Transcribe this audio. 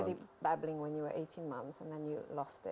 dokter mengesyorkan institusionalisasi